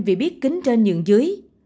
vì biết kính trên nhượng dưới